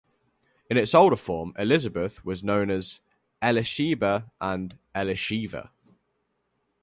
In its older form Elizabeth was known as Elisheba and Elisheva.